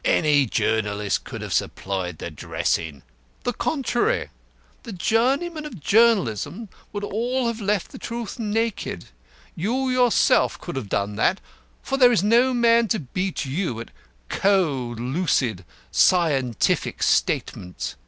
Any journalist could have supplied the dressing." "The contrary. The journeymen of journalism would have left the truth naked. You yourself could have done that for there is no man to beat you at cold, lucid, scientific statement.